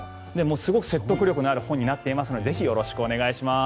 すごく説得力のある本になっていますのでよろしくお願いします。